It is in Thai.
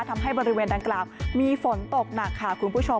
ทำให้บริเวณดังกล่าวมีฝนตกหนักค่ะคุณผู้ชม